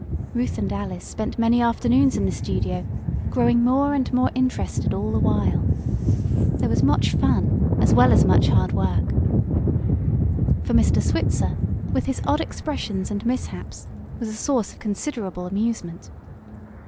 Ruth and Alice spent many afternoons in the studio, growing more and more interested all the while. There was much fun, as well as much hard work, for Mr. Switzer, with his odd expressions and mishaps, was a source of considerable amusement.